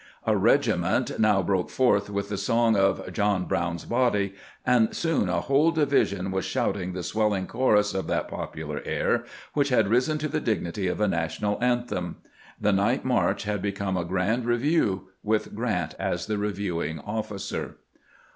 A regiment now broke forth with the song of " John Brown's body," and GEANT OPENS A COKEESPONDENCE WITH LEE 459 soon a whole division was shouting the swelling chorus of that popular air, which had risen to the dignity of a national anthem. The night march had become a grand review, with Grant as the reviewing officer.